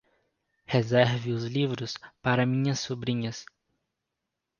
Reserve os livros para minhas sobrinhas